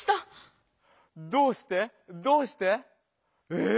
え？